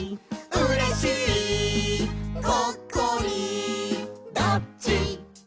うれしいがっかりどっち？」